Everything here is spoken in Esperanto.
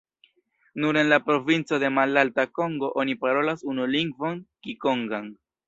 Nur en la provinco de Malalta Kongo oni parolas unu lingvon, kikongan.